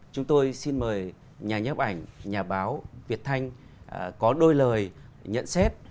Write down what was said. chúng tôi xin mời nhà ảnh nhà báo việt thanh có đôi lời nhận xét